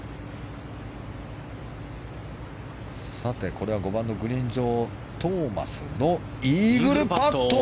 さて、これは５番のグリーン上トーマスのイーグルパット！